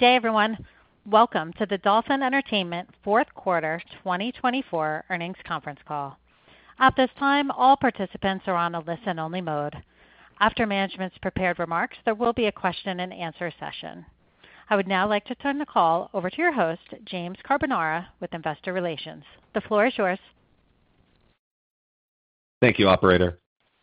Good day, everyone. Welcome to the Dolphin Entertainment fourth quarter 2024 earnings conference call. At this time, all participants are on a listen-only mode. After management's prepared remarks, there will be a question-and-answer session. I would now like to turn the call over to your host, James Carbonara, with Investor Relations. The floor is yours. Thank you, Operator.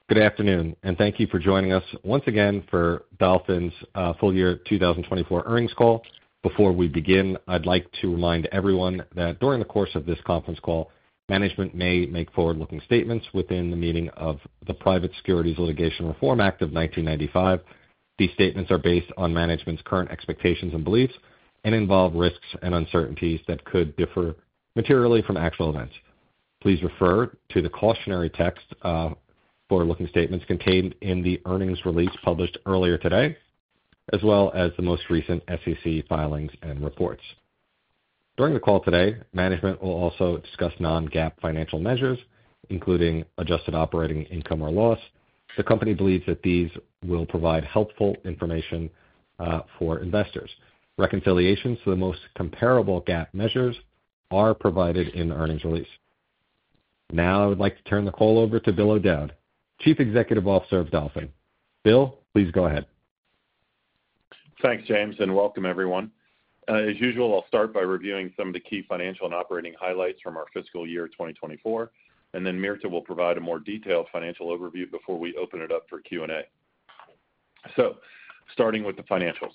Good afternoon, and thank you for joining us once again for Dolphin's full year 2024 earnings call. Before we begin, I'd like to remind everyone that during the course of this conference call, management may make forward-looking statements within the meaning of the Private Securities Litigation Reform Act of 1995. These statements are based on management's current expectations and beliefs and involve risks and uncertainties that could differ materially from actual events. Please refer to the cautionary text forward-looking statements contained in the earnings release published earlier today, as well as the most recent SEC filings and reports. During the call today, management will also discuss non-GAAP financial measures, including adjusted operating income or loss. The company believes that these will provide helpful information for investors. Reconciliations to the most comparable GAAP measures are provided in the earnings release. Now, I would like to turn the call over to Bill O'Dowd, Chief Executive Officer of Dolphin. Bill, please go ahead. Thanks, James, and welcome, everyone. As usual, I'll start by reviewing some of the key financial and operating highlights from our fiscal year 2024, and then Mirta will provide a more detailed financial overview before we open it up for Q&A. Starting with the financials,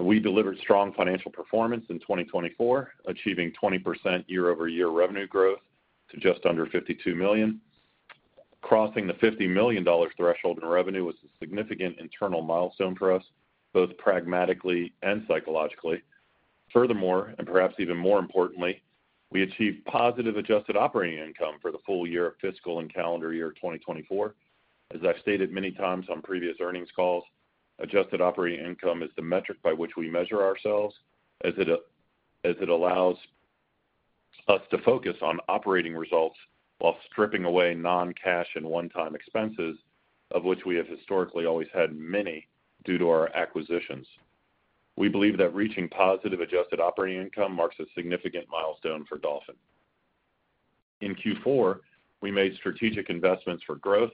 we delivered strong financial performance in 2024, achieving 20% year-over-year revenue growth to just under $52 million. Crossing the $50 million threshold in revenue was a significant internal milestone for us, both pragmatically and psychologically. Furthermore, and perhaps even more importantly, we achieved positive adjusted operating income for the full year of fiscal and calendar year 2024. As I've stated many times on previous earnings calls, adjusted operating income is the metric by which we measure ourselves, as it allows us to focus on operating results while stripping away non-cash and one-time expenses, of which we have historically always had many due to our acquisitions. We believe that reaching positive adjusted operating income marks a significant milestone for Dolphin. In Q4, we made strategic investments for growth,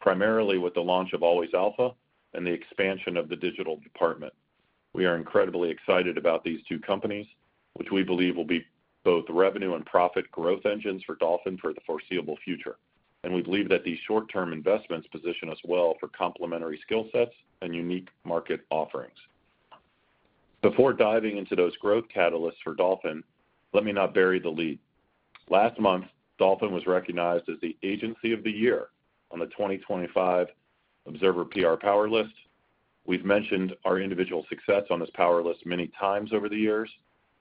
primarily with the launch of Always Alpha and the expansion of The Digital Dept. We are incredibly excited about these two companies, which we believe will be both revenue and profit growth engines for Dolphin for the foreseeable future. We believe that these short-term investments position us well for complementary skill sets and unique market offerings. Before diving into those growth catalysts for Dolphin, let me not bury the lead. Last month, Dolphin was recognized as the Agency of the Year on the 2025 Observer PR Power List. We've mentioned our individual success on this Power List many times over the years,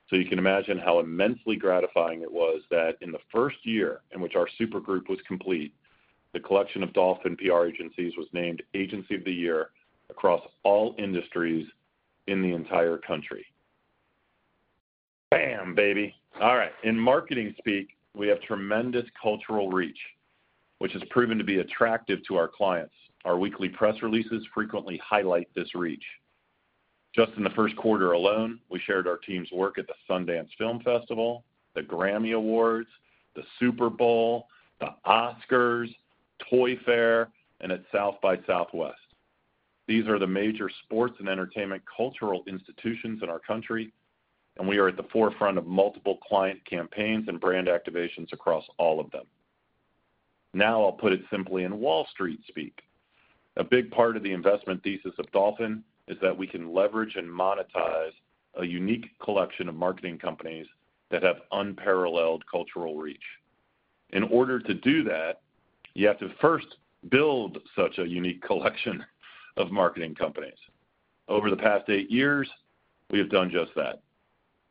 so you can imagine how immensely gratifying it was that in the first year in which our supergroup was complete, the collection of Dolphin PR agencies was named Agency of the Year across all industries in the entire country. Bam, baby. All right, in marketing speak, we have tremendous cultural reach, which has proven to be attractive to our clients. Our weekly press releases frequently highlight this reach. Just in the first quarter alone, we shared our team's work at the Sundance Film Festival, the GRAMMY Awards, the Super Bowl, the Oscars, Toy Fair, and at South by Southwest. These are the major sports and entertainment cultural institutions in our country, and we are at the forefront of multiple client campaigns and brand activations across all of them. Now, I'll put it simply in Wall Street speak. A big part of the investment thesis of Dolphin is that we can leverage and monetize a unique collection of marketing companies that have unparalleled cultural reach. In order to do that, you have to first build such a unique collection of marketing companies. Over the past eight years, we have done just that,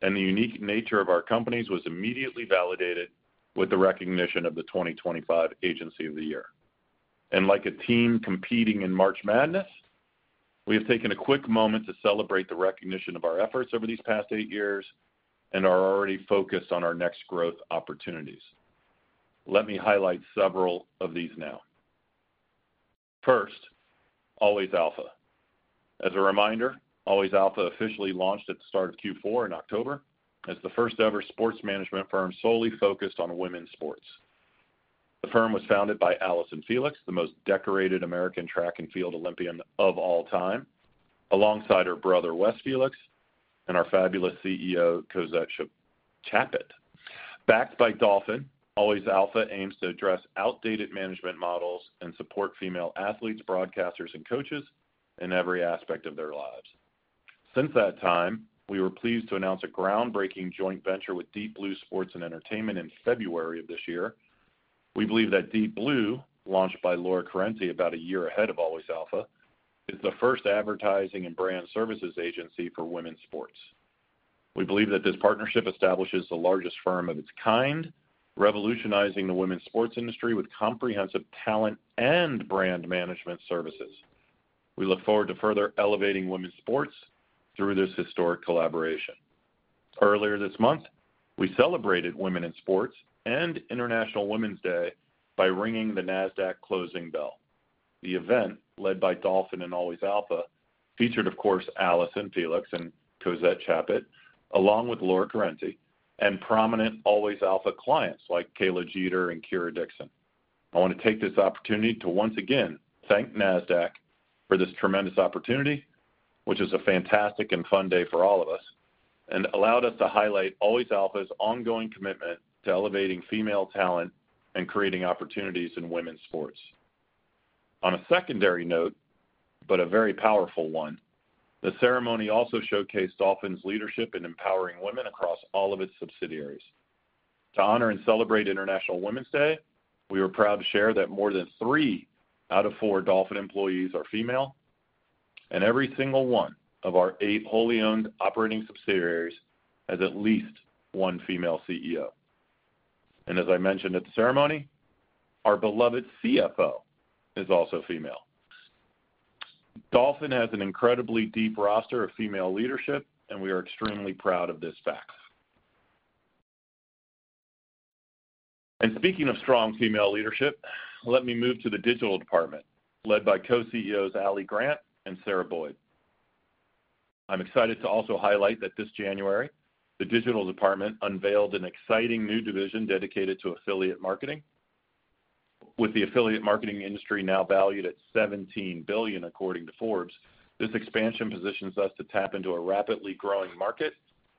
and the unique nature of our companies was immediately validated with the recognition of the 2025 Agency of the Year. Like a team competing in March Madness, we have taken a quick moment to celebrate the recognition of our efforts over these past eight years and are already focused on our next growth opportunities. Let me highlight several of these now. First, Always Alpha. As a reminder, Always Alpha officially launched at the start of Q4 in October as the first-ever sports management firm solely focused on women's sports. The firm was founded by Allyson Felix, the most decorated American track and field Olympian of all time, alongside her brother Wes Felix and our fabulous CEO, Cosette Chaput. Backed by Dolphin, Always Alpha aims to address outdated management models and support female athletes, broadcasters, and coaches in every aspect of their lives. Since that time, we were pleased to announce a groundbreaking joint venture with Deep Blue Sports + Entertainment in February of this year. We believe that Deep Blue, launched by Laura Correnti about a year ahead of Always Alpha, is the first advertising and brand services agency for women's sports. We believe that this partnership establishes the largest firm of its kind, revolutionizing the women's sports industry with comprehensive talent and brand management services. We look forward to further elevating women's sports through this historic collaboration. Earlier this month, we celebrated Women in Sports and International Women's Day by ringing the NASDAQ closing bell. The event, led by Dolphin and Always Alpha, featured, of course, Allyson Felix and Cosette Chaput, along with Laura Correnti, and prominent Always Alpha clients like Kayla Jeter and Kira Dixon. I want to take this opportunity to once again thank NASDAQ for this tremendous opportunity, which was a fantastic and fun day for all of us, and allowed us to highlight Always Alpha's ongoing commitment to elevating female talent and creating opportunities in women's sports. On a secondary note, but a very powerful one, the ceremony also showcased Dolphin's leadership in empowering women across all of its subsidiaries. To honor and celebrate International Women's Day, we are proud to share that more than three out of four Dolphin employees are female, and every single one of our eight wholly owned operating subsidiaries has at least one female CEO. As I mentioned at the ceremony, our beloved CFO is also female. Dolphin has an incredibly deep roster of female leadership, and we are extremely proud of this fact. Speaking of strong female leadership, let me move to The Digital Dept, led by Co-CEOs Ali Grant and Sarah Boyd. I'm excited to also highlight that this January, The Digital Dept unveiled an exciting new division dedicated to affiliate marketing. With the affiliate marketing industry now valued at $17 billion, according to Forbes, this expansion positions us to tap into a rapidly growing market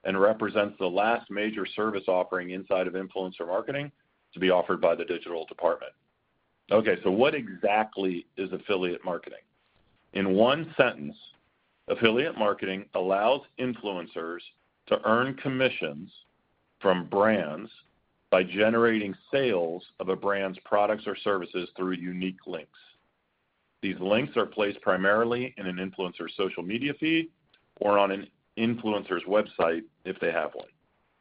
and represents the last major service offering inside of influencer marketing to be offered by The Digital Dept. Okay, so what exactly is affiliate marketing? In one sentence, affiliate marketing allows influencers to earn commissions from brands by generating sales of a brand's products or services through unique links. These links are placed primarily in an influencer's social media feed or on an influencer's website if they have one.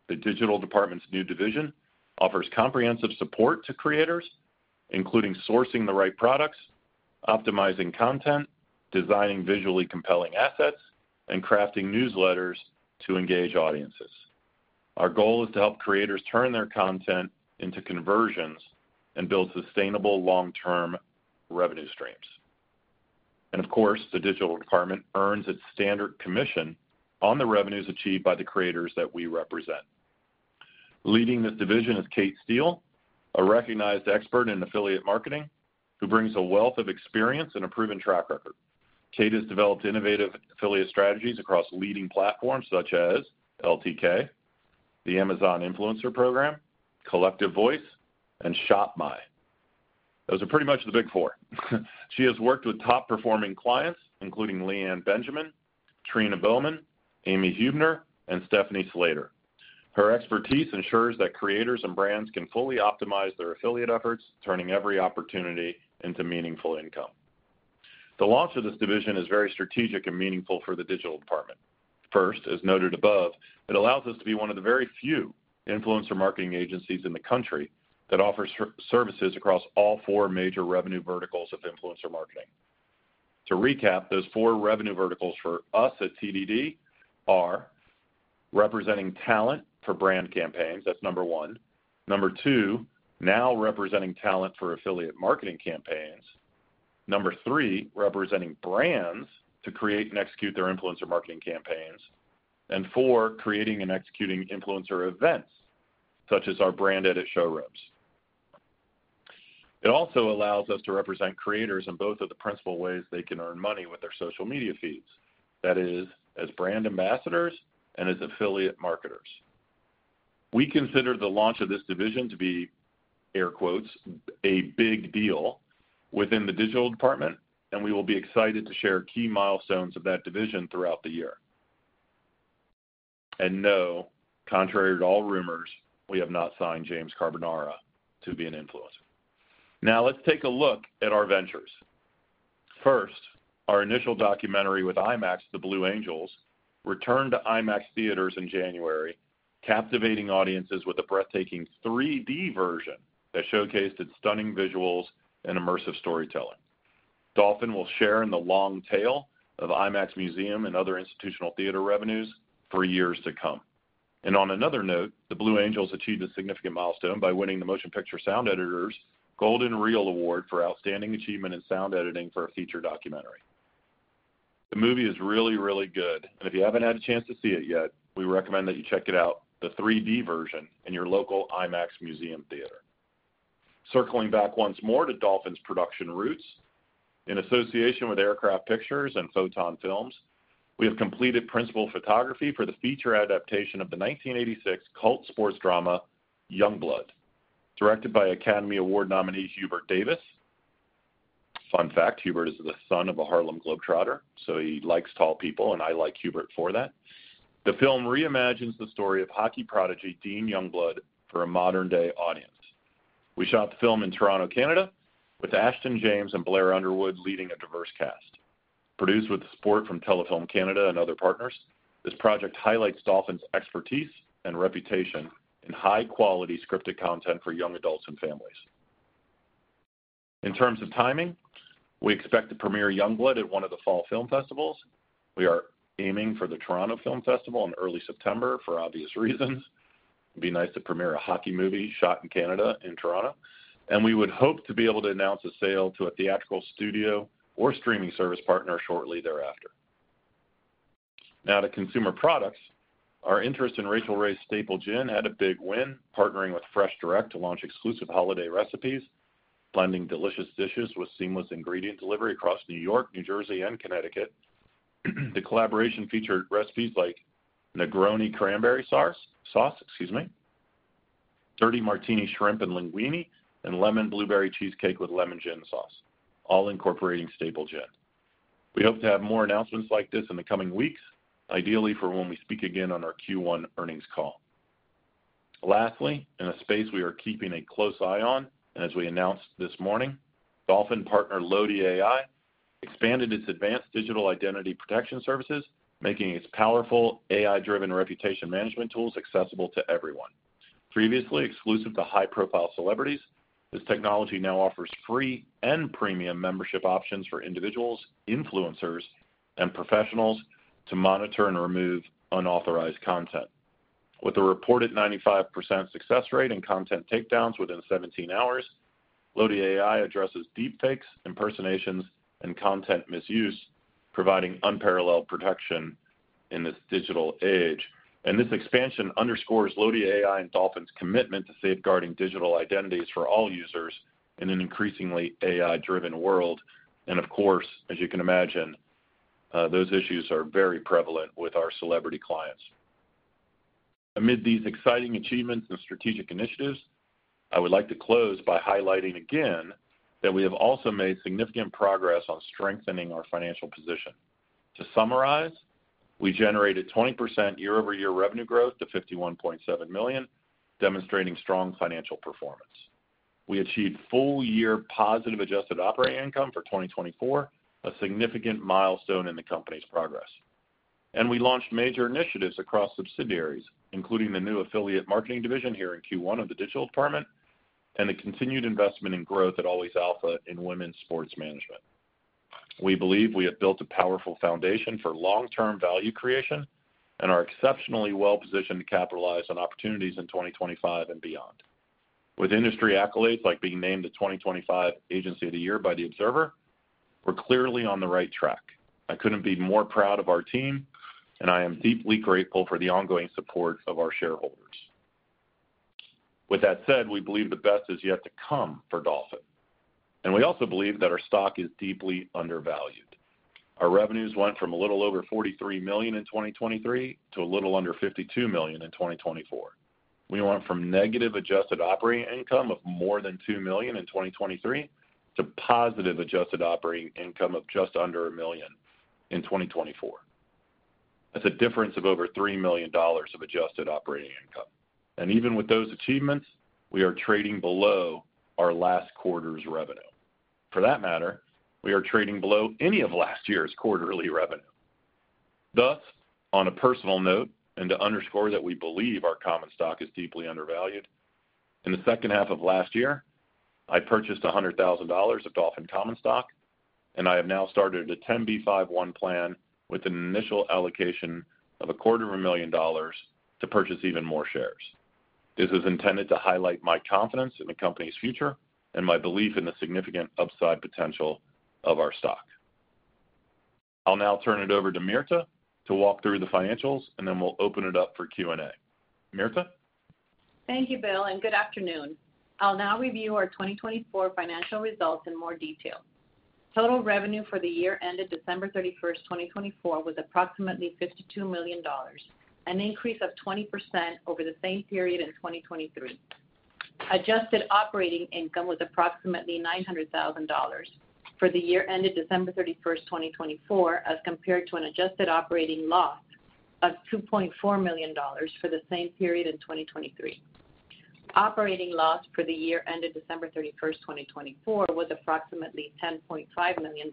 The Digital Dept's new division offers comprehensive support to creators, including sourcing the right products, optimizing content, designing visually compelling assets, and crafting newsletters to engage audiences. Our goal is to help creators turn their content into conversions and build sustainable long-term revenue streams. Of course, The Digital Dept earns its standard commission on the revenues achieved by the creators that we represent. Leading this division is Kate Steele, a recognized expert in affiliate marketing who brings a wealth of experience and a proven track record. Kate has developed innovative affiliate strategies across leading platforms such as LTK, the Amazon Influencer Program, Collective Voice, and ShopMy. Those are pretty much the big four. She has worked with top-performing clients, including Lee Anne Benjamin, Trina Bowman, Aimee Huebner, and Stephanie Slater. Her expertise ensures that creators and brands can fully optimize their affiliate efforts, turning every opportunity into meaningful income. The launch of this division is very strategic and meaningful for The Digital Dept. First, as noted above, it allows us to be one of the very few influencer marketing agencies in the country that offers services across all four major revenue verticals of influencer marketing. To recap, those four revenue verticals for us at TDD are representing talent for brand campaigns. That is number one. Number two, now representing talent for affiliate marketing campaigns. Number three, representing brands to create and execute their influencer marketing campaigns. And four, creating and executing influencer events such as our brand edit showrooms. It also allows us to represent creators in both of the principal ways they can earn money with their social media feeds. That is, as brand ambassadors and as affiliate marketers. We consider the launch of this division to be, air quotes, "a big deal" within The Digital Dept, and we will be excited to share key milestones of that division throughout the year. No, contrary to all rumors, we have not signed James Carbonara to be an influencer. Now, let's take a look at our ventures. First, our initial documentary with IMAX, The Blue Angels, returned to IMAX theaters in January, captivating audiences with a breathtaking 3D version that showcased its stunning visuals and immersive storytelling. Dolphin will share in the long tail of IMAX Museum and other institutional theater revenues for years to come. On another note, The Blue Angels achieved a significant milestone by winning the Motion Picture Sound Editors Golden Reel Award for Outstanding Achievement in Sound Editing for a Feature Documentary. The movie is really, really good, and if you haven't had a chance to see it yet, we recommend that you check it out, the 3D version, in your local IMAX Museum theater. Circling back once more to Dolphin's production roots, in association with Aircraft Pictures and Photon Films, we have completed principal photography for the feature adaptation of the 1986 cult sports drama Youngblood, directed by Academy Award nominee Hubert Davis. Fun fact, Hubert is the son of a Harlem Globetrotter, so he likes tall people, and I like Hubert for that. The film reimagines the story of hockey prodigy Dean Youngblood for a modern-day audience. We shot the film in Toronto, Canada, with Ashton James and Blair Underwood leading a diverse cast. Produced with support from Telefilm Canada and other partners, this project highlights Dolphin's expertise and reputation in high-quality scripted content for young adults and families. In terms of timing, we expect to premiere Youngblood at one of the fall film festivals. We are aiming for the Toronto Film Festival in early September for obvious reasons. It'd be nice to premiere a hockey movie shot in Canada in Toronto, and we would hope to be able to announce a sale to a theatrical studio or streaming service partner shortly thereafter. Now, to consumer products, our interest in Rachael Ray's Staple Gin had a big win, partnering with FreshDirect to launch exclusive holiday recipes, blending delicious dishes with seamless ingredient delivery across New York, New Jersey, and Connecticut. The collaboration featured recipes like Negroni Cranberry Sauce, excuse me, Dirty Martini Shrimp and Linguini, and Lemon Blueberry Cheesecake with Lemon Gin Sauce, all incorporating Staple Gin. We hope to have more announcements like this in the coming weeks, ideally for when we speak again on our Q1 earnings call. Lastly, in a space we are keeping a close eye on, as we announced this morning, Dolphin partner Loti AI expanded its advanced digital identity protection services, making its powerful AI-driven reputation management tools accessible to everyone. Previously exclusive to high-profile celebrities, this technology now offers free and premium membership options for individuals, influencers, and professionals to monitor and remove unauthorized content. With a reported 95% success rate and content takedowns within 17 hours, Loti AI addresses deepfakes, impersonations, and content misuse, providing unparalleled protection in this digital age. This expansion underscores Loti AI and Dolphin's commitment to safeguarding digital identities for all users in an increasingly AI-driven world. Of course, as you can imagine, those issues are very prevalent with our celebrity clients. Amid these exciting achievements and strategic initiatives, I would like to close by highlighting again that we have also made significant progress on strengthening our financial position. To summarize, we generated 20% year-over-year revenue growth to $51.7 million, demonstrating strong financial performance. We achieved full-year positive adjusted operating income for 2024, a significant milestone in the company's progress. We launched major initiatives across subsidiaries, including the new affiliate marketing division here in Q1 of The Digital Dept and the continued investment and growth at Always Alpha in women's sports management. We believe we have built a powerful foundation for long-term value creation and are exceptionally well-positioned to capitalize on opportunities in 2025 and beyond. With industry accolades like being named the 2025 Agency of the Year by Observer, we're clearly on the right track. I couldn't be more proud of our team, and I am deeply grateful for the ongoing support of our shareholders. With that said, we believe the best is yet to come for Dolphin. We also believe that our stock is deeply undervalued. Our revenues went from a little over $43 million in 2023 to a little under $52 million in 2024. We went from negative adjusted operating income of more than $2 million in 2023 to positive adjusted operating income of just under $1 million in 2024. That's a difference of over $3 million of adjusted operating income. Even with those achievements, we are trading below our last quarter's revenue. For that matter, we are trading below any of last year's quarterly revenue. Thus, on a personal note, and to underscore that we believe our common stock is deeply undervalued, in the second half of last year, I purchased $100,000 of Dolphin common stock, and I have now started a 10b5-1 plan with an initial allocation of a quarter of a million dollars to purchase even more shares. This is intended to highlight my confidence in the company's future and my belief in the significant upside potential of our stock. I'll now turn it over to Mirta to walk through the financials, and then we'll open it up for Q&A. Mirta? Thank you, Bill, and good afternoon. I'll now review our 2024 financial results in more detail. Total revenue for the year ended December 31st, 2024, was approximately $52 million, an increase of 20% over the same period in 2023. Adjusted operating income was approximately $900,000 for the year ended December 31st, 2024, as compared to an adjusted operating loss of $2.4 million for the same period in 2023. Operating loss for the year ended December 31st, 2024, was approximately $10.5 million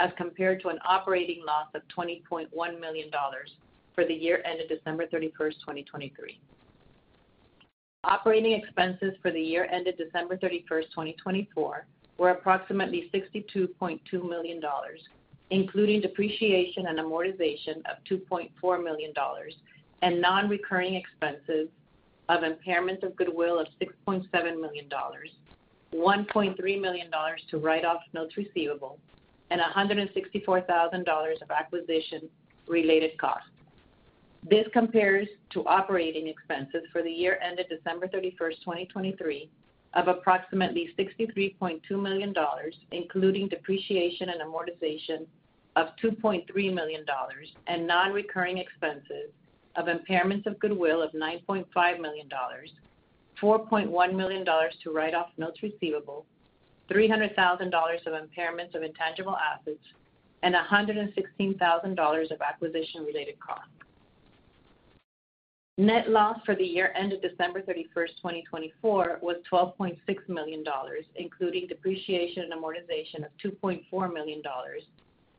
as compared to an operating loss of $20.1 million for the year ended December 31st, 2023. Operating expenses for the year ended December 31st, 2024, were approximately $62.2 million, including depreciation and amortization of $2.4 million, and non-recurring expenses of impairment of goodwill of $6.7 million, $1.3 million to write-off notes receivable, and $164,000 of acquisition-related costs. This compares to operating expenses for the year ended December 31st, 2023, of approximately $63.2 million, including depreciation and amortization of $2.3 million, and non-recurring expenses of impairment of goodwill of $9.5 million, $4.1 million to write-off notes receivable, $300,000 of impairment of intangible assets, and $116,000 of acquisition-related costs. Net loss for the year ended December 31st, 2024, was $12.6 million, including depreciation and amortization of $2.4 million,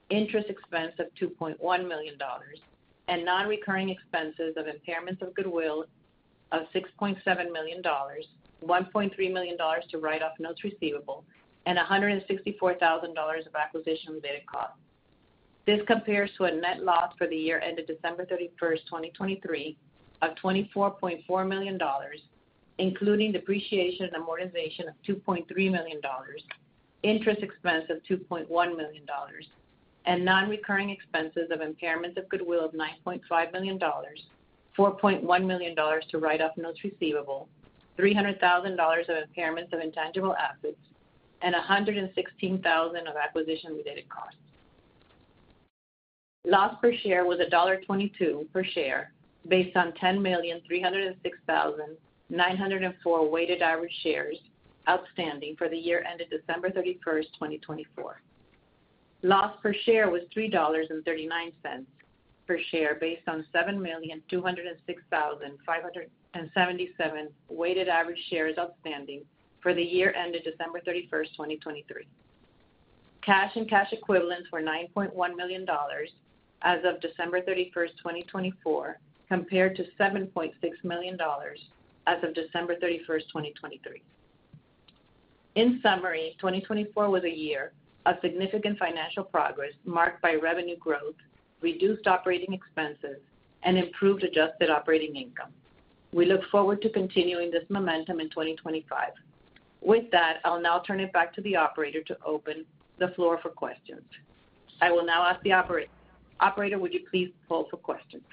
interest expense of $2.1 million, and non-recurring expenses of impairment of goodwill of $6.7 million, $1.3 million to write-off notes receivable, and $164,000 of acquisition-related costs. This compares to a net loss for the year ended December 31st, 2023, of $24.4 million, including depreciation and amortization of $2.3 million, interest expense of $2.1 million, and non-recurring expenses of impairment of goodwill of $9.5 million, $4.1 million to write-off notes receivable, $300,000 of impairment of intangible assets, and $116,000 of acquisition-related costs. Loss per share was $1.22 per share based on 10,306,904 weighted average shares outstanding for the year ended December 31st, 2024. Loss per share was $3.39 per share based on 7,206,577 weighted average shares outstanding for the year ended December 31st, 2023. Cash and cash equivalents were $9.1 million as of December 31st, 2024, compared to $7.6 million as of December 31st, 2023. In summary, 2024 was a year of significant financial progress marked by revenue growth, reduced operating expenses, and improved adjusted operating income. We look forward to continuing this momentum in 2025. With that, I'll now turn it back to the operator to open the floor for questions. I will now ask the operator, would you please hold for questions?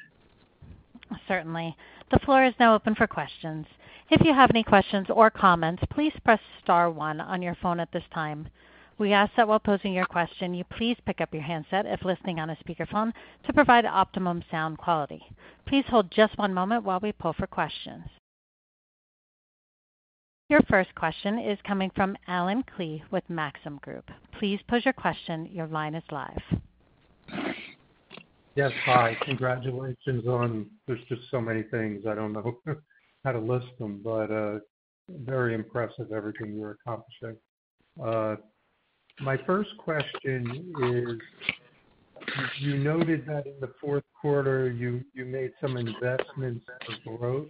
Certainly. The floor is now open for questions. If you have any questions or comments, please press star one on your phone at this time. We ask that while posing your question, you please pick up your handset if listening on a speakerphone to provide optimum sound quality. Please hold just one moment while we pull for questions. Your first question is coming from Allen Klee with Maxim Group. Please pose your question. Your line is live. Yes. Hi. Congratulations on. There's just so many things. I don't know how to list them, but very impressive, everything you're accomplishing. My first question is, you noted that in the fourth quarter, you made some investments of growth.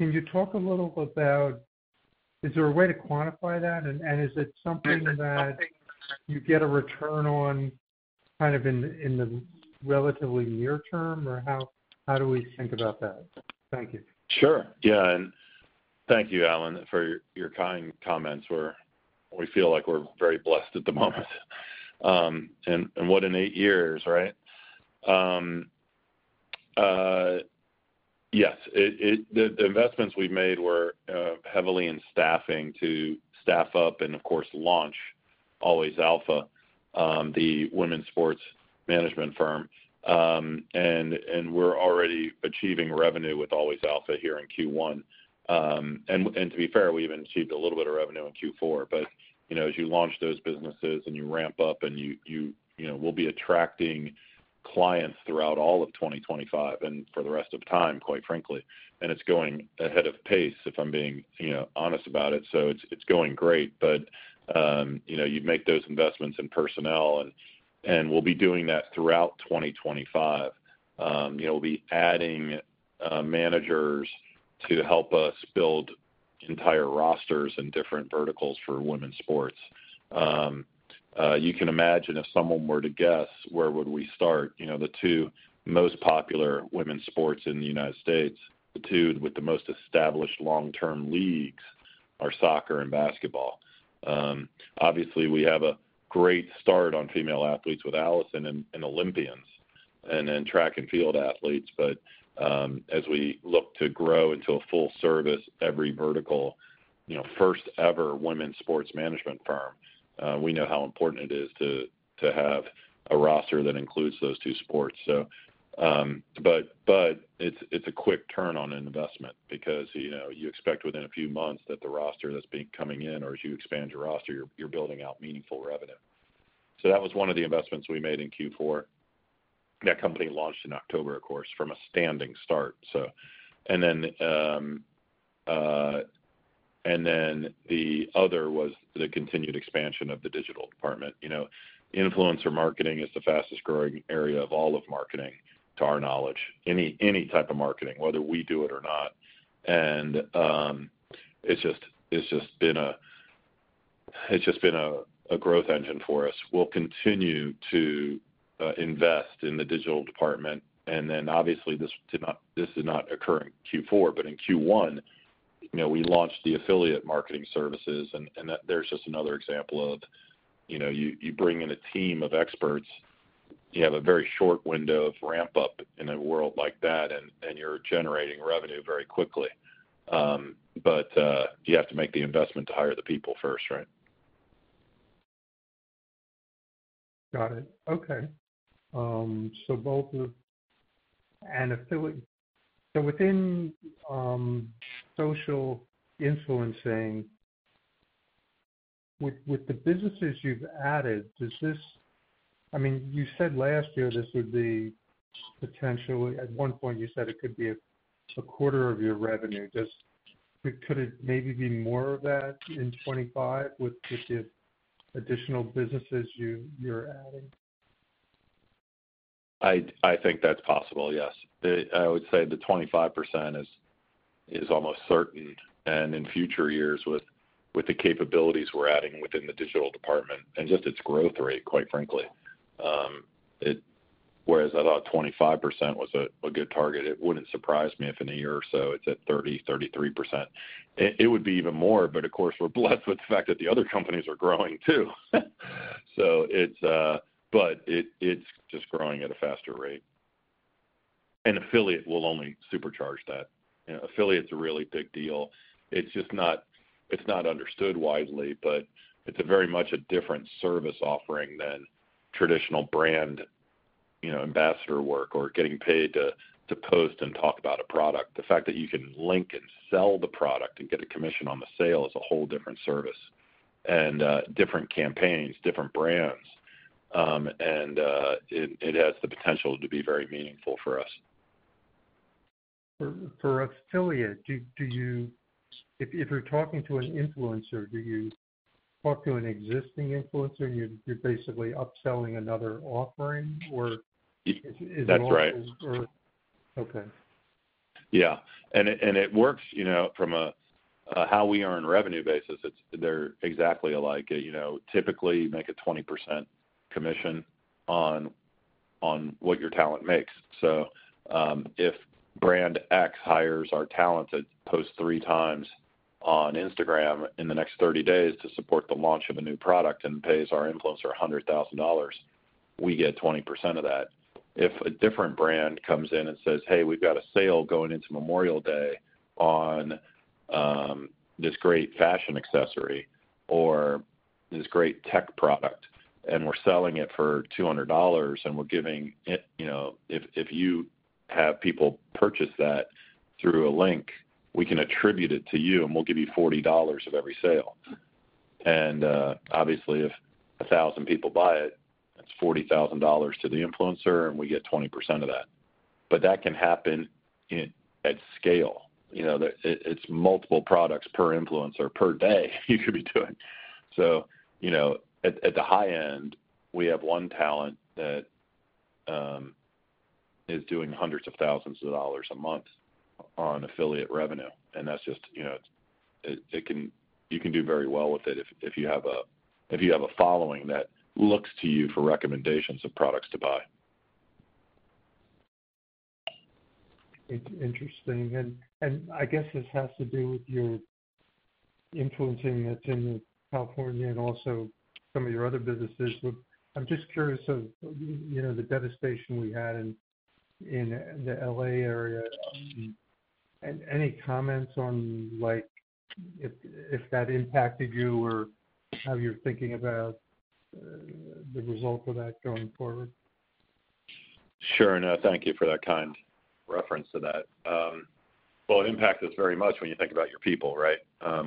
Can you talk a little about, is there a way to quantify that? And is it something that you get a return on kind of in the relatively near term, or how do we think about that? Thank you. Sure. Yeah. And thank you, Allen, for your kind comments. We feel like we're very blessed at the moment. What in eight years, right? Yes. The investments we've made were heavily in staffing to staff up and, of course, launch Always Alpha, the women's sports management firm. We're already achieving revenue with Always Alpha here in Q1. To be fair, we even achieved a little bit of revenue in Q4. As you launch those businesses and you ramp up, you will be attracting clients throughout all of 2025 and for the rest of time, quite frankly. It is going ahead of pace, if I'm being honest about it. It is going great. You make those investments in personnel, and we'll be doing that throughout 2025. We'll be adding managers to help us build entire rosters in different verticals for women's sports. You can imagine if someone were to guess, where would we start? The two most popular women's sports in the United States, the two with the most established long-term leagues, are soccer and basketball. Obviously, we have a great start on female athletes with Allyson and Olympians and then track and field athletes. As we look to grow into a full-service every vertical, first-ever women's sports management firm, we know how important it is to have a roster that includes those two sports. It is a quick turn on an investment because you expect within a few months that the roster that has been coming in, or as you expand your roster, you are building out meaningful revenue. That was one of the investments we made in Q4. That company launched in October, of course, from a standing start. The other was the continued expansion of The Digital Dept. Influencer marketing is the fastest-growing area of all of marketing, to our knowledge, any type of marketing, whether we do it or not. It has just been a growth engine for us. We will continue to invest in The Digital Dept. Obviously, this did not occur in Q4, but in Q1, we launched the affiliate marketing services. There is just another example of you bring in a team of experts. You have a very short window of ramp-up in a world like that, and you are generating revenue very quickly. You have to make the investment to hire the people first, right? Got it. Okay. Both of and affiliate. Within social influencing, with the businesses you have added, does this—I mean, you said last year this would be potentially at one point, you said it could be a quarter of your revenue. Could it maybe be more of that in 2025 with the additional businesses you are adding? I think that is possible, yes. I would say the 25% is almost certain. In future years, with the capabilities we're adding within The Digital Dept and just its growth rate, quite frankly, whereas I thought 25% was a good target, it wouldn't surprise me if in a year or so it's at 30%-33%. It would be even more, of course, we're blessed with the fact that the other companies are growing too. It's just growing at a faster rate. Affiliate will only supercharge that. Affiliate's a really big deal. It's not understood widely, but it's very much a different service offering than traditional brand ambassador work or getting paid to post and talk about a product. The fact that you can link and sell the product and get a commission on the sale is a whole different service and different campaigns, different brands. It has the potential to be very meaningful for us. For affiliate, if you're talking to an influencer, do you talk to an existing influencer and you're basically upselling another offering, or is it all the same? That's right. Okay. Yeah. And it works from a how we earn revenue basis, they're exactly alike. Typically, you make a 20% commission on what your talent makes. So if brand X hires our talent to post three times on Instagram in the next 30 days to support the launch of a new product and pays our influencer $100,000, we get 20% of that. If a different brand comes in and says, "Hey, we've got a sale going into Memorial Day on this great fashion accessory or this great tech product, and we're selling it for $200, and we're giving if you have people purchase that through a link, we can attribute it to you, and we'll give you $40 of every sale." Obviously, if 1,000 people buy it, that's $40,000 to the influencer, and we get 20% of that. That can happen at scale. It's multiple products per influencer per day you could be doing. At the high end, we have one talent that is doing hundreds of thousands of dollars a month on affiliate revenue. That's just you can do very well with it if you have a following that looks to you for recommendations of products to buy. Interesting. I guess this has to do with your influencing that's in California and also some of your other businesses. I'm just curious of the devastation we had in the LA area. Any comments on if that impacted you or how you're thinking about the result of that going forward? Sure. No, thank you for that kind reference to that. It impacted us very much when you think about your people, right?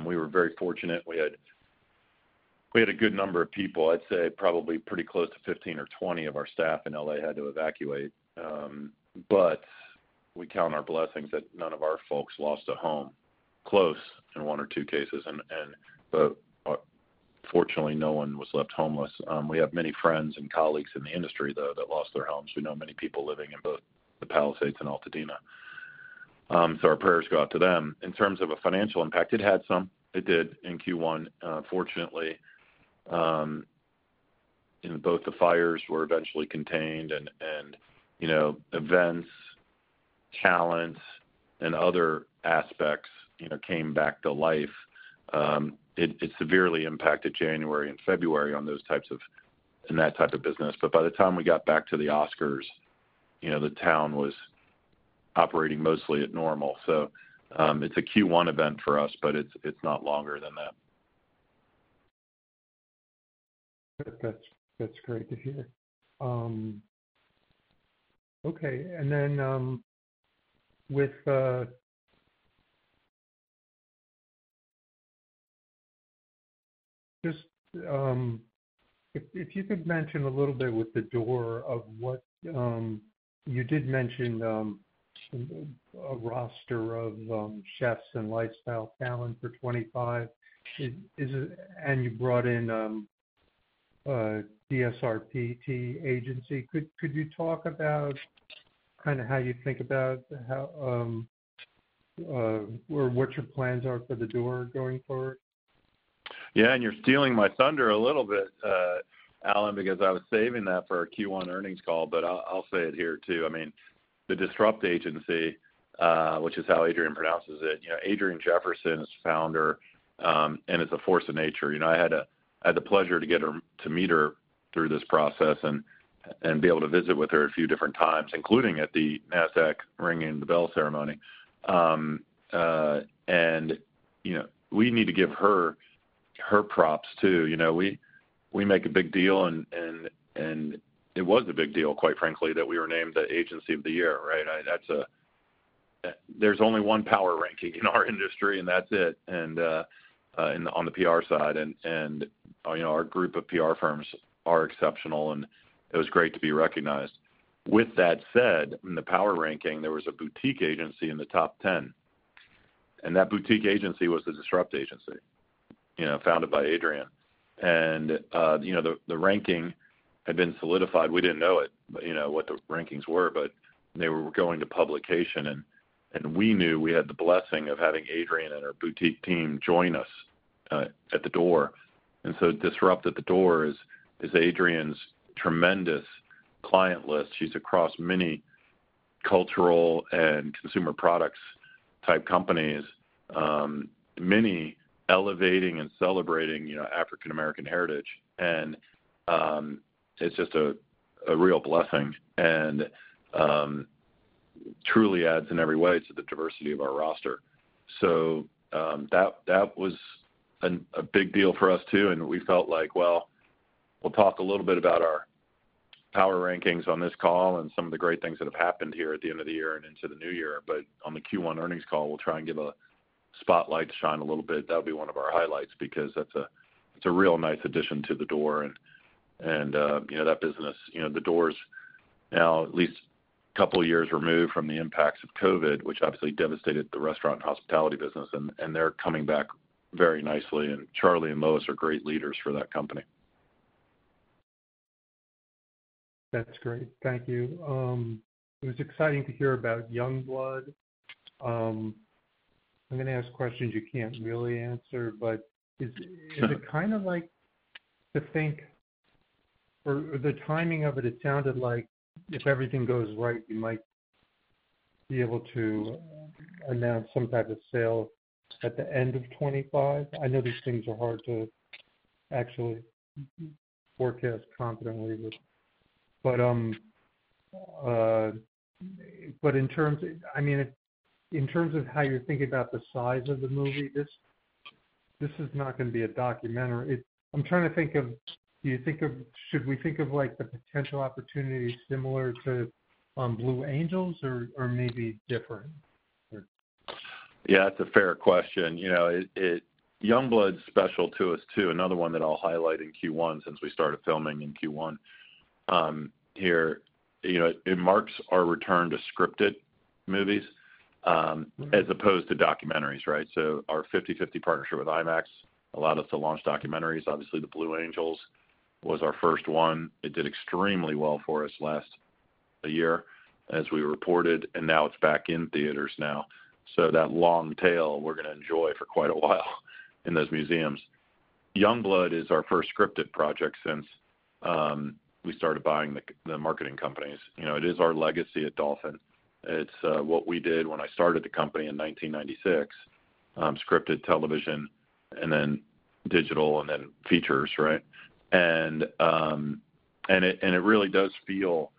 We were very fortunate. We had a good number of people. I'd say probably pretty close to 15 or 20 of our staff in LA had to evacuate. We count our blessings that none of our folks lost a home, close in one or two cases. Fortunately, no one was left homeless. We have many friends and colleagues in the industry, though, that lost their homes. We know many people living in both the Palisades and Altadena. Our prayers go out to them. In terms of a financial impact, it had some. It did in Q1. Fortunately, both the fires were eventually contained, and events, talents, and other aspects came back to life. It severely impacted January and February on those types of in that type of business. By the time we got back to the Oscars, the town was operating mostly at normal. It is a Q1 event for us, but it is not longer than that. That is great to hear. Okay. If you could mention a little bit with The Door, you did mention a roster of chefs and lifestyle talent for 2025, and you brought in DISRPT Agency. Could you talk about kind of how you think about or what your plans are for The Door going forward? Yeah. You're stealing my thunder a little bit, Alan, because I was saving that for a Q1 earnings call, but I'll say it here too. I mean, the DISRPT Agency, which is how Adriane pronounces it, Adriane Jefferson is the Founder and is a force of nature. I had the pleasure to get her to meet her through this process and be able to visit with her a few different times, including at the NASDAQ ringing the bell ceremony. We need to give her props too. We make a big deal, and it was a big deal, quite frankly, that we were named the Agency of the Year, right? There's only one power ranking in our industry, and that's it on the PR side. Our group of PR firms are exceptional, and it was great to be recognized. With that said, in the power ranking, there was a boutique agency in the top 10. That boutique agency was the DISRPT Agency, founded by Adriane. The ranking had been solidified. We did not know what the rankings were, but they were going to publication. We knew we had the blessing of having Adriane and her boutique team join us at The Door. DISRPT at The Door is Adriane's tremendous client list. She is across many cultural and consumer products type companies, many elevating and celebrating African-American heritage. It is just a real blessing and truly adds in every way to the diversity of our roster. That was a big deal for us too. We felt like, we'll talk a little bit about our power rankings on this call and some of the great things that have happened here at the end of the year and into the new year. On the Q1 earnings call, we'll try and give a spotlight to shine a little bit. That'll be one of our highlights because that's a real nice addition to The Door. That business, The Door's now at least a couple of years removed from the impacts of COVID, which obviously devastated the restaurant and hospitality business. They're coming back very nicely. Charlie and Lois are great leaders for that company. That's great. Thank you. It was exciting to hear about Youngblood. I'm going to ask questions you can't really answer, but is it kind of like to think or the timing of it, it sounded like if everything goes right, you might be able to announce some type of sale at the end of 2025. I know these things are hard to actually forecast confidently. In terms of, I mean, in terms of how you're thinking about the size of the movie, this is not going to be a documentary. I'm trying to think of, do you think of, should we think of the potential opportunity similar to Blue Angels or maybe different? Yeah, that's a fair question. Youngblood's special to us too, another one that I'll highlight in Q1 since we started filming in Q1 here. It marks our return to scripted movies as opposed to documentaries, right? Our 50/50 partnership with IMAX allowed us to launch documentaries. Obviously, The Blue Angels was our first one. It did extremely well for us last year as we reported, and now it's back in theaters now. That long tail, we're going to enjoy for quite a while in those museums. Youngblood is our first scripted project since we started buying the marketing companies. It is our legacy at Dolphin. It's what we did when I started the company in 1996, scripted television, and then digital, and then features, right? It really does feel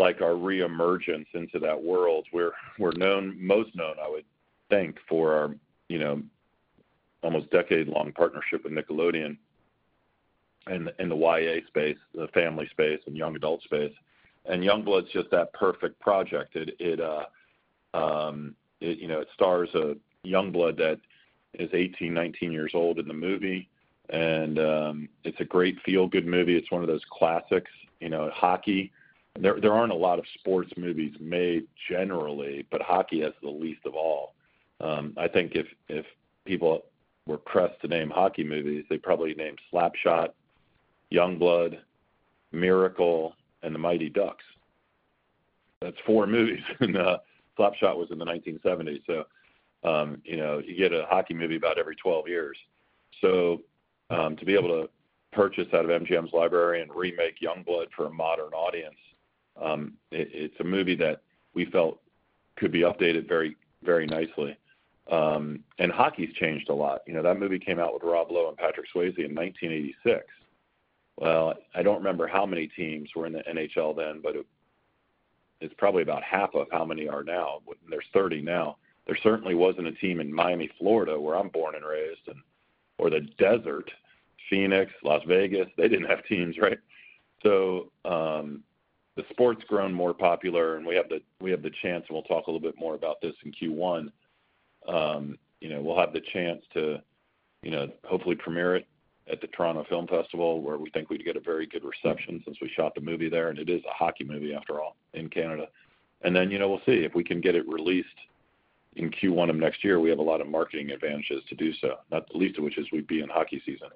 like our reemergence into that world. We're most known, I would think, for our almost decade-long partnership with Nickelodeon in the YA space, the family space, and young adult space. Youngblood's just that perfect project. It stars a Youngblood that is 18, 19 years old in the movie. It's a great feel-good movie. It's one of those classics, hockey. There aren't a lot of sports movies made generally, but hockey has the least of all. I think if people were pressed to name hockey movies, they'd probably name Slap Shot, Youngblood, Miracle, and the Mighty Ducks. That's four movies. Slap Shot was in the 1970s. You get a hockey movie about every 12 years. To be able to purchase out of MGM's library and remake Youngblood for a modern audience, it's a movie that we felt could be updated very nicely. Hockey's changed a lot. That movie came out with Rob Lowe and Patrick Swayze in 1986. I don't remember how many teams were in the NHL then, but it's probably about half of how many are now. There's 30 now. There certainly wasn't a team in Miami, Florida, where I'm born and raised, or the desert, Phoenix, Las Vegas. They didn't have teams, right? The sport's grown more popular, and we have the chance, and we'll talk a little bit more about this in Q1. We'll have the chance to hopefully premiere it at the Toronto Film Festival, where we think we'd get a very good reception since we shot the movie there. It is a hockey movie, after all, in Canada. We'll see if we can get it released in Q1 of next year. We have a lot of marketing advantages to do so, not the least of which is we'd be in hockey season.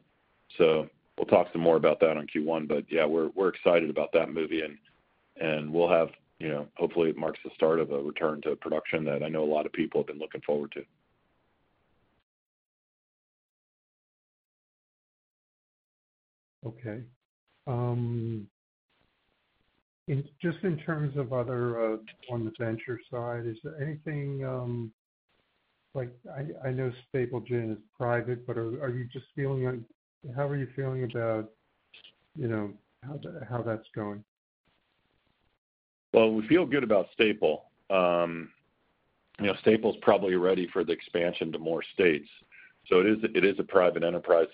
We'll talk some more about that in Q1. Yeah, we're excited about that movie, and hopefully it marks the start of a return to production that I know a lot of people have been looking forward to. Okay. Just in terms of other on the venture side, is there anything I know Staple Gin is private, but are you just feeling how are you feeling about how that's going? We feel good about Staple. Staple's probably ready for the expansion to more states. It is a private enterprise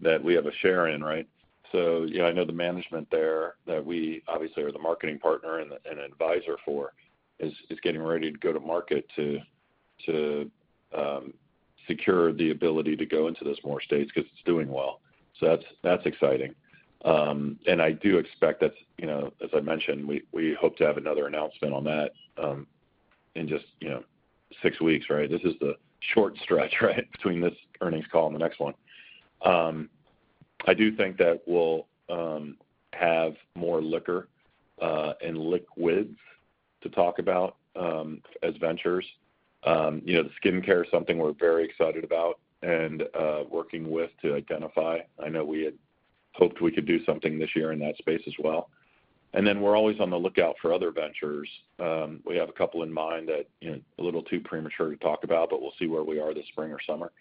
that we have a share in, right? I know the management there that we obviously are the marketing partner and advisor for is getting ready to go to market to secure the ability to go into those more states because it's doing well. That is exciting. I do expect that, as I mentioned, we hope to have another announcement on that in just six weeks, right? This is the short stretch, right, between this earnings call and the next one. I do think that we'll have more liquor and liquids to talk about as ventures. The skincare is something we're very excited about and working with to identify. I know we had hoped we could do something this year in that space as well. We are always on the lookout for other ventures. We have a couple in mind that are a little too premature to talk about, but we'll see where we are this spring or summer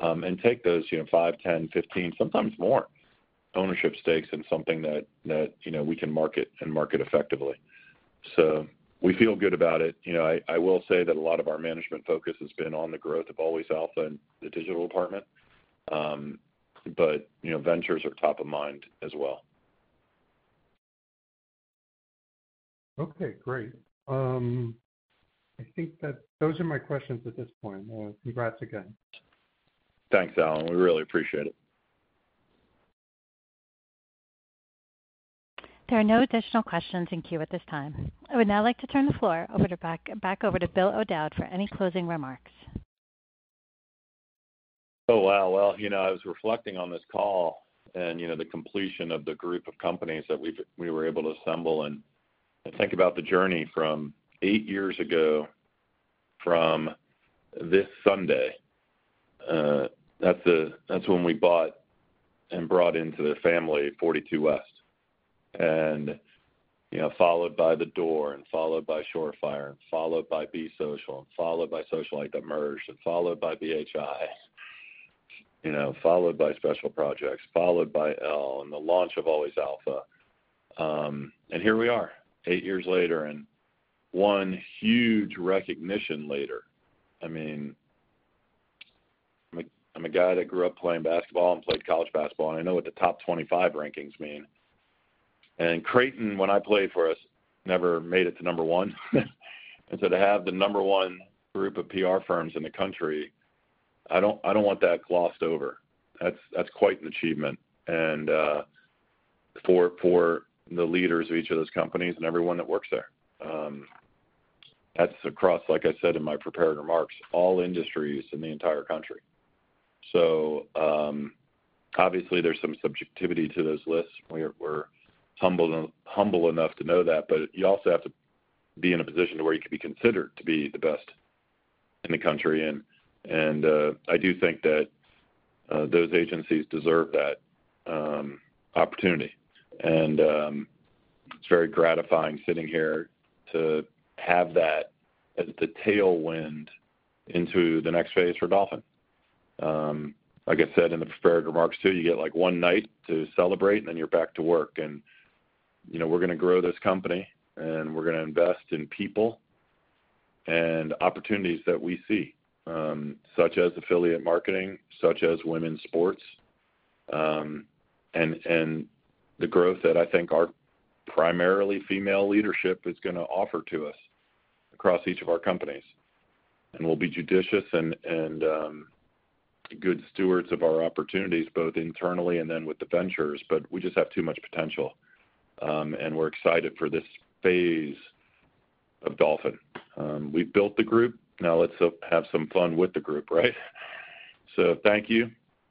and take those 5, 10, 15, sometimes more ownership stakes in something that we can market and market effectively. We feel good about it. I will say that a lot of our management focus has been on the growth of Always Alpha and The Digital Dept, but ventures are top of mind as well. Okay. Great. I think that those are my questions at this point. Congrats again. Thanks, Allen. We really appreciate it. There are no additional questions in queue at this time. I would now like to turn the floor back over to Bill O'Dowd for any closing remarks. Oh, wow. I was reflecting on this call and the completion of the group of companies that we were able to assemble and think about the journey from eight years ago from this Sunday. That's when we bought and brought into their family 42West. Followed by The Door, followed by Shore Fire, followed by Be Social, followed by Socialyte that merged, followed by B/HI, followed by Special Projects, followed by Elle, and the launch of Always Alpha. Here we are, eight years later and one huge recognition later. I mean, I'm a guy that grew up playing basketball and played college basketball, and I know what the top 25 rankings mean. Creighton, when I played for us, never made it to number one. To have the number one group of PR firms in the country, I do not want that glossed over. That is quite an achievement. For the leaders of each of those companies and everyone that works there, that is across, like I said in my prepared remarks, all industries in the entire country. Obviously, there is some subjectivity to those lists. We are humble enough to know that, but you also have to be in a position where you could be considered to be the best in the country. I do think that those agencies deserve that opportunity. It is very gratifying sitting here to have that as the tailwind into the next phase for Dolphin. Like I said in the prepared remarks too, you get one night to celebrate, and then you are back to work. We're going to grow this company, and we're going to invest in people and opportunities that we see, such as affiliate marketing, such as women's sports, and the growth that I think our primarily female leadership is going to offer to us across each of our companies. We'll be judicious and good stewards of our opportunities, both internally and then with the ventures, but we just have too much potential. We're excited for this phase of Dolphin. We've built the group. Now let's have some fun with the group, right? Thank you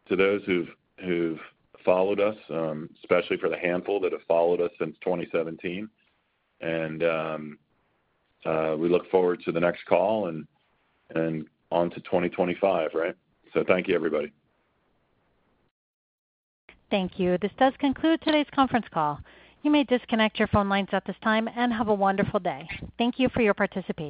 to those who've followed us, especially for the handful that have followed us since 2017. We look forward to the next call and on to 2025, right? Thank you, everybody. Thank you. This does conclude today's conference call. You may disconnect your phone lines at this time and have a wonderful day. Thank you for your participation.